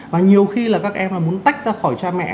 và nhiều khi là các em muốn tách ra khỏi cha mẹ